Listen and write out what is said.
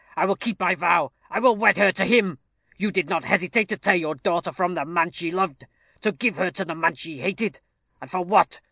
I will keep my vow; I will wed her to him. You did not hesitate to tear your daughter from the man she loved, to give her to the man she hated; and for what?